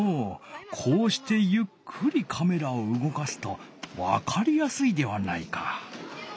こうしてゆっくりカメラをうごかすとわかりやすいではないか。